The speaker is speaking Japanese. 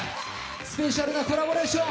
スペシャルなコラボレーション